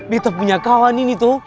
kita punya kawan ini tuh